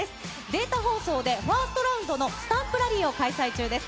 データ放送でファーストラウンドのスタンプラリーを開催中です。